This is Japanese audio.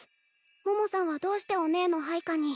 桃さんはどうしてお姉の配下に？